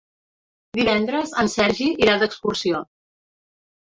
Divendres en Sergi irà d'excursió.